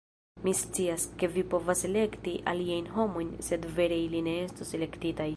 Mi scias, ke vi povas elekti aliajn homojn sed vere ili ne estos elektitaj